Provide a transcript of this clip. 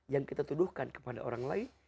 yang kita tuduhkan kepada orang lain